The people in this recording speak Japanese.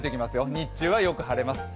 日中はよく晴れます。